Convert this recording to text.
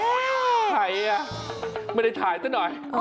เอ๊ะถ่ายเลยนะไม่ได้ถ่ายแต่หน่อย